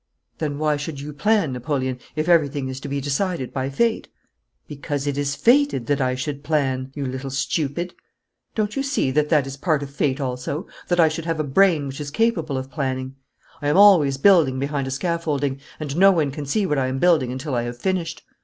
'Then why should you plan, Napoleon, if everything is to be decided by Fate?' 'Because it is fated that I should plan, you little stupid. Don't you see that that is part of Fate also, that I should have a brain which is capable of planning. I am always building behind a scaffolding, and no one can see what I am building until I have finished.